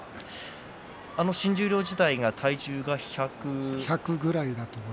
新十両時代は体重が１００。